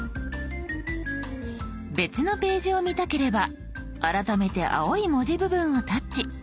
別のページを見たければ改めて青い文字部分をタッチ。